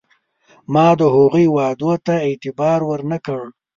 ما د هغوی وعدو ته اعتبار ور نه کړ.